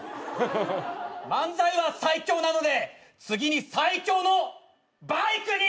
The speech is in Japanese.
漫才は最強なので次に最強のバイクに変身します！